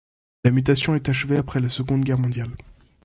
La mutation est achevée après la Seconde Guerre mondiale.